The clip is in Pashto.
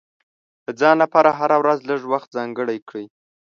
د ځان لپاره هره ورځ لږ وخت ځانګړی کړه.